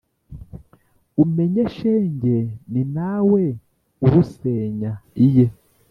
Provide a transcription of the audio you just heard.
umenye shenge ni nawe urusenya iye